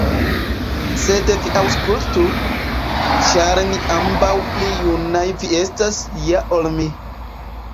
Sed vi aŭskultu, ĉar ambaŭ pli junaj vi estas ja ol mi.